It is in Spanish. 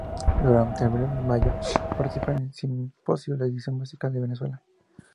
Durante el mes de mayo participa en el Simposio "La edición musical en Venezuela".